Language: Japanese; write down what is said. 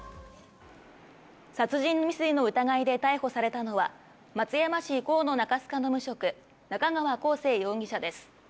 殺人未遂の疑いで逮捕されたのは、松山市河野中須賀の無職、中川晃成容疑者です。